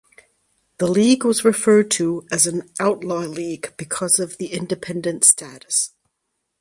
The league was referred to as an "outlaw" league because of the Independent status.